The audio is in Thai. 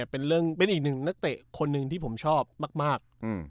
เป็นอีกหนึ่งนักเตะคนหนึ่งที่ผมชอบมาก